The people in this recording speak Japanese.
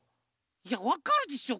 いやわかるでしょ。